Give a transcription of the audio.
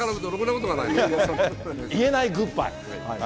言えないグッバイ。